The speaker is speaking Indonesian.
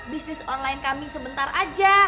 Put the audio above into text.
bisnis online kami sebentar aja